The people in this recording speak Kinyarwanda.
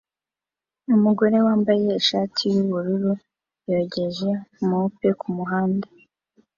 Umugore wambaye ishati yubururu yogeje mope kumuhanda